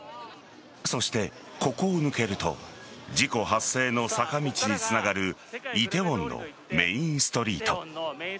そして、ここを抜けると事故発生の坂道につながる梨泰院のメインストリート。